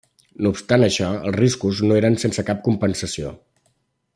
No obstant això, els riscos no eren sense cap compensació.